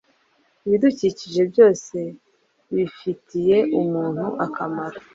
Ibidukikije byose bifitiye umuntu akamaro,